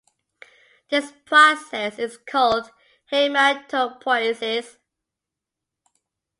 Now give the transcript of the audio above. This process is called haematopoiesis.